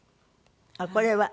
あっこれは？